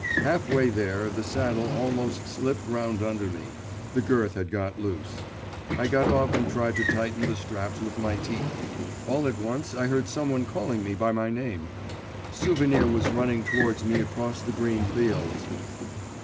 Half way there, the saddle almost slipped round under me; the girth had got loose; I got off and tried to tighten the straps with my teeth.… All at once I heard someone calling me by my name.… Souvenir was running towards me across the green fields.